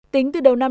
tính từ đầu năm